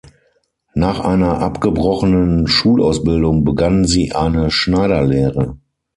Nach einer abgebrochenen Schulausbildung begann sie eine Schneiderlehre.